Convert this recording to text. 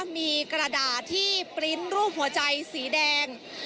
มีกระดาษที่ปริ้นต์รูปหัวใจสีแดง